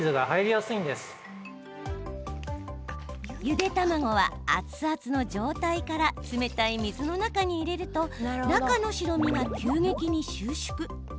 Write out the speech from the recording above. ゆで卵は、熱々の状態から冷たい水の中に入れると中の白身が急激に収縮。